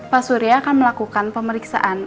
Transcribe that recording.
pak surya akan melakukan pemeriksaan